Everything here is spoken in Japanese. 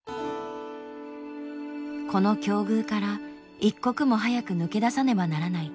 この境遇から一刻も早く抜け出さねばならない。